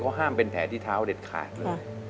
เขาห้ามเป็นแผลที่เท้าเด็ดขาดเลย